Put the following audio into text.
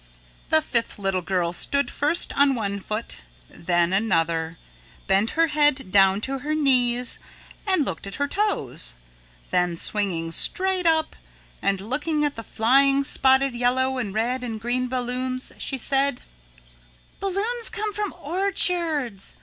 The fifth little girl stood first on one foot, then another, bent her head down to her knees and looked at her toes, then swinging straight up and looking at the flying spotted yellow and red and green balloons, she said: "Balloons come from orchards.